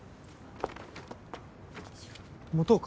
持とうか？